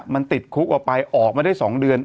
มันติดคุกออกไปออกมาได้๒เดือน